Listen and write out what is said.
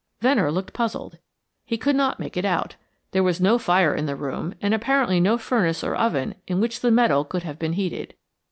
Venner looked puzzled; he could not make it out. There was no fire in the room, and apparently no furnace or oven in which the metal could have been heated.